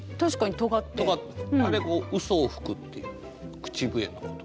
あれうそを吹くっていう口笛のこと。